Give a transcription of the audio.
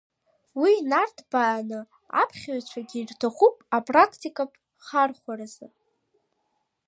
Уи инарҭбааны аԥхьаҩцәагьы ирҭахуп апрактикатә хархәаразы.